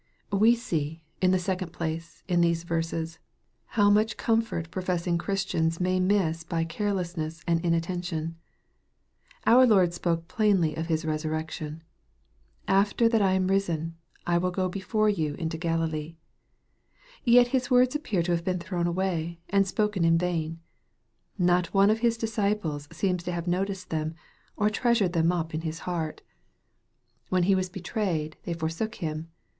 We see, in the second place, in these verses, how much comfort professing Christians may miss by carelessness and inattention. Our Lord spoke plainly of His esurrection :" After that I am risen, I will go before you into Gali lee." Yet His words appear to have been thrown away, and spoken in vain. Not one of his disciples seems to have noticed them, or treasured them up in his heart. 314 EXPOSITORY THOUGHTS. When He was betrayed, they forsook Him.